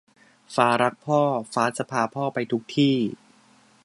ฟ้ารักพ่อ ฟ้าจะพาพ่อไปทุกที่